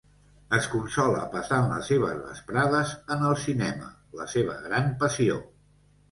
Es consola passant les seves vesprades en el cinema, la seva gran passió.